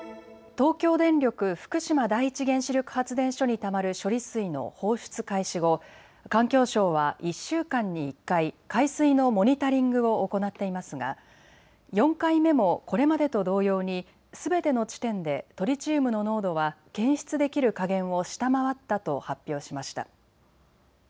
東京電力福島第一原子力発電所にたまる処理水の放出開始後、環境省は１週間に１回、海水のモニタリングを行っていますが４回目もこれまでと同様にすべての地点でトリチウムの濃度は検出できる下限を下回ったと発表しました。